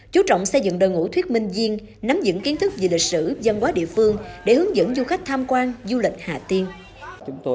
chú trọng xây dựng đời ngũ thuyết minh viên nắm dựng kiến thức về lịch sử giang quá địa phương để hướng dẫn du khách tham quan du lịch hà tiên